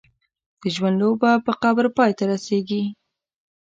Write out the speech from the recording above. د ژوند لوبه په قبر پای ته رسېږي.